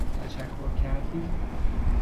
تشکر کردی؟